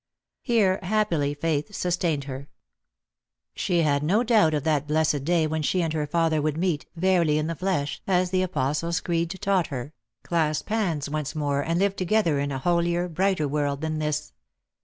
Here happily faith sustained her. She had no doubt of that blessed day when she and her father would meet, verily in the flesh, as the Apostles' Creed taught her, clasp hands once more, and live together in a holier, brighter world than this.